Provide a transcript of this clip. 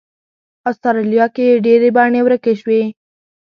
استرالیا کې یې ډېرې بڼې ورکې شوې.